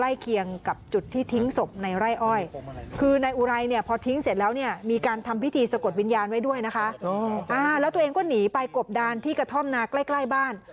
แล้วตัวเองก็หนีไปกบด้านที่กระท่อมนาใกล้บ้าน